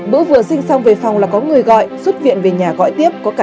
bữa vừa sinh xong về phòng là có người gọi xuất viện về nhà gọi tiếp cận